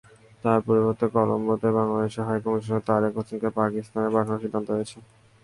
তাঁর পরিবর্তে কলম্বোতে বাংলাদেশের হাইকমিশনার তারিক হাসানকে পাকিস্তানে পাঠানোর সিদ্ধান্ত হয়েছে।